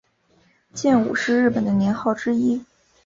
建武是日本的年号之一。